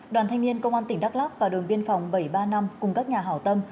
đoàn thanh niên công an tỉnh đắk lắc và đồn biên phòng bảy trăm ba mươi năm cùng các nhà hảo tâm